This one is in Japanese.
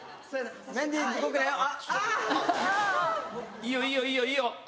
・いいよいいよいいよいいよ。